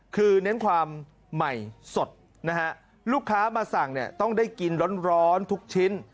คือเน้นความใหม่สดนะฮะลูกค้ามาสั่งเนี่ยต้องได้กินร้อนทุกชิ้น